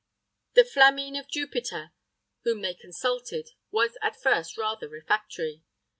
The Flamine of Jupiter, whom they consulted, was at first rather refractory.